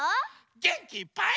げんきいっぱい。